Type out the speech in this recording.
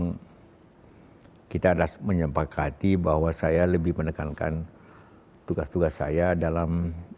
ayo kita ada menyempak hati bahwa saya lebih menekankan tugas tugas saya dalam